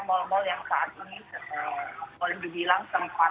karena dengan kebijakan pemerintah yang secara bertahap ini sudah terlihat sangat membantu